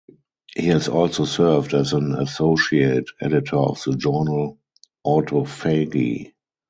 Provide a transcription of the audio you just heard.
He has also served as an associate editor of the journal "Autophagy".